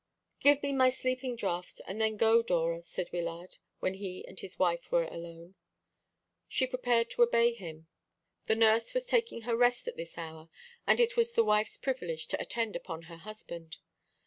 "Give me my sleeping draught, and then go, Dora," said Wyllard, when he and his wife were alone. She prepared to obey him. The nurse was taking her rest at this hour, and it was the wife's privilege to attend upon her husband.